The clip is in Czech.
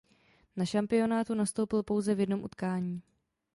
Na šampionátu nastoupil pouze v jednom utkání.